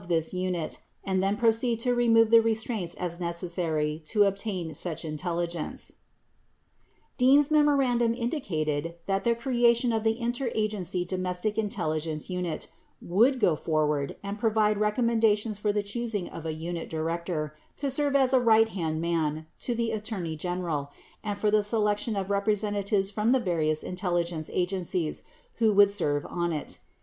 6 this unit, and then proceed to remove the restraints as neces sary to obtain such intelligence , 33 [emphasis added] Dean's memorandum indicated that the creation of the Inter Agency Domestic Intelligence Unit would go forward and provided recom mendations for the choosing of a unit director to serve as a "righthand man" to the Attorney General and for the selection of representatives from the various intelligence agencies who would serve on it.